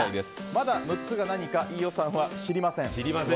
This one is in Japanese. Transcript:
まだ６つが何か飯尾さんは知りません。